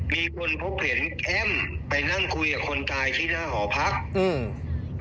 มีคนพบเห็นแอ้มไปนั่งคุยกับคนตายที่หน้าหอพักอืม